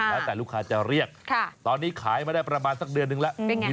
ค่ะแต่ลูกค้าจะเรียกค่ะตอนนี้ขายมาได้ประมาณสักเดือนหนึ่งแล้วเป็นไง